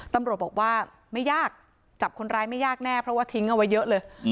ตำรวจบคนร้ายไม่ยากแน่เพราะว่าทิ้งเอาไว้เยอะเลย